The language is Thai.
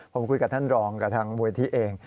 ผมคุยกับท่านรองกับทางมูลที่เอง